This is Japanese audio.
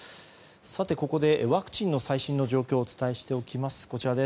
ここでワクチンの最新の状況をお伝えしておきます。